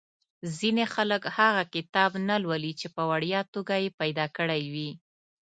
ځینې خلک هغه کتاب نه لولي چې په وړیا توګه یې پیدا کړی وي.